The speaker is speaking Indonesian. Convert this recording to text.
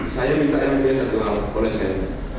saya minta yang biasa boleh saya